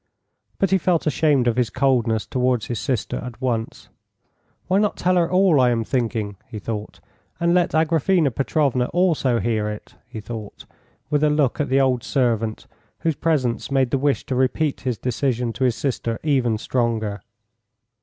But he felt ashamed of his coldness towards his sister at once. "Why not tell her all I am thinking?" he thought, "and let Agraphena Petrovna also hear it," he thought, with a look at the old servant, whose presence made the wish to repeat his decision to his sister even stronger.